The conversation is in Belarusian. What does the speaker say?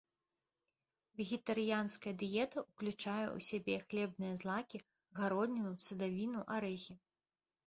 Вегетарыянская дыета уключае ў сябе хлебныя злакі, гародніну, садавіну, арэхі.